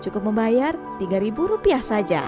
cukup membayar tiga rupiah saja